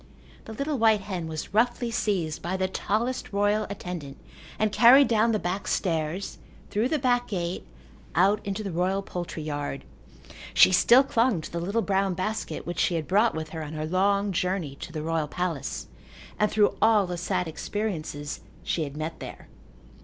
The little white hen was roughly seized by the tallest royal attendant and carried down the back stairs, through the back gate, out into the royal poultry yard. She still clung to the little brown basket which she had brought with her on her long journey to the royal palace and through all the sad experiences she had met there.